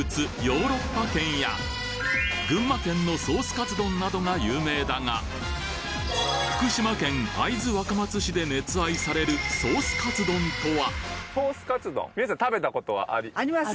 ヨーロッパ軒やなどが有名だが福島県会津若松市で熱愛されるソースカツ丼とは！？